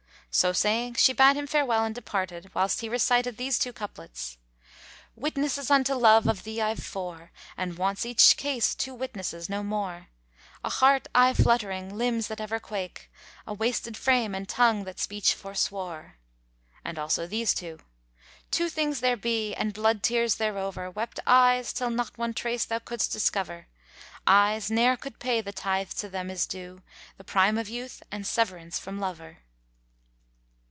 So saying, she bade him farewell and departed, whilst he recited these two couplets, "Witnesses unto love of thee I've four; * And wants each case two witnesses; no more! A heart aye fluttering, limbs that ever quake, * A wasted frame and tongue that speech forswore." And also these two, "Two things there be, an blood tears thereover * Wept eyes till not one trace thou couldst discover, Eyes ne'er could pay the tithe to them is due * The prime of youth and severance from lover."